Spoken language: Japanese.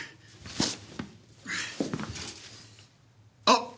あっ！